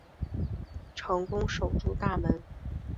成功守住大门